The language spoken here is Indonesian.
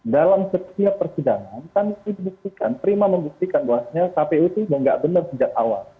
dalam setiap persidangan kan itu dibuktikan prima membuktikan bahwasannya kpu itu sudah tidak benar sejak awal